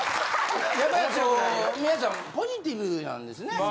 やっぱりこう皆さんポジティブなんですね。